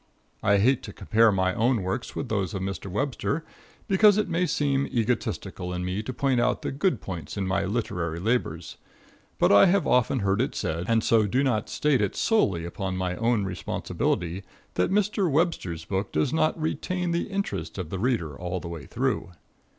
I hate to compare my own works with those of Mr. Webster, because it may seem egotistical in me to point out the good points in my literary labors; but I have often heard it said, and so do not state it solely upon my own responsibility, that Mr. Webster's book does not retain the interest of the reader all the way through.